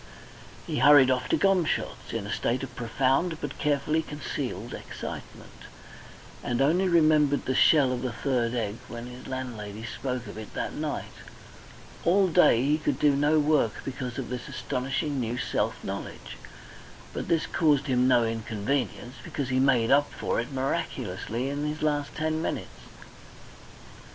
He hurried off to Gomshott's in a state of profound but carefully concealed excitement, and only remembered the shell of the third egg when his landlady spoke of it that night. All day he could do no work because of this astonishing new self knowledge, but this caused him no inconvenience, because he made up for it miraculously in his last ten minutes.